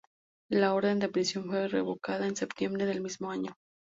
La orden de prisión fue revocada en septiembre del mismo año.